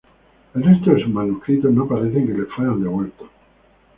El resto de sus manuscritos no parece que le fueran devueltos.